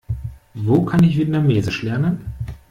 Wo kann ich Vietnamesisch lernen?